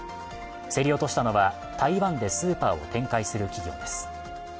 競り落としたのは台湾でスーパーを展開する企業です。